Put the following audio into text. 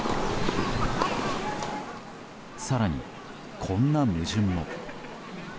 更に、こんな矛盾も。